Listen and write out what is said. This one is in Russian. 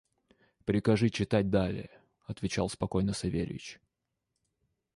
– Прикажи читать далее, – отвечал спокойно Савельич.